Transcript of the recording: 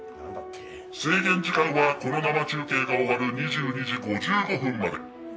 制限時間はこの生中継が終わる２２時５５分まで。